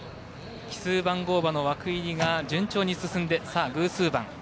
奇数番の枠入りが順調に進んで偶数番。